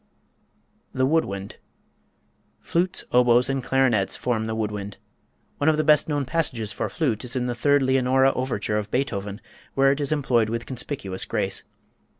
The Woodwind. Flutes, oboes and clarinets form the woodwind. One of the best known passages for flute is in the third "Leonora Overture" of Beethoven, where it is employed with conspicuous grace.